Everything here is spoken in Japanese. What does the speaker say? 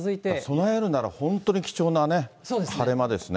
備えるなら本当に貴重な晴れ間ですね。